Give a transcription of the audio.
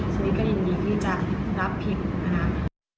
สวัสดีก็ยินดีที่จะรับพิกัด